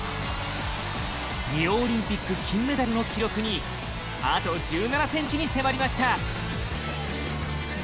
リオオリンピック金メダルの記録にあと１７センチに迫りました。